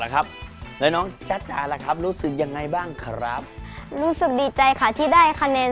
ก็ยังคงคะแนนสะสมอยู่ที่๒คะแนน